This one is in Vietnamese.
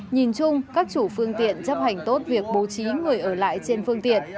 nhìn chung các chủ phương tiện chấp hành tốt việc bố trí người ở lại trên phương tiện